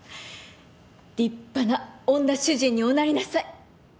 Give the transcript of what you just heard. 立派な女主人におなりなさい。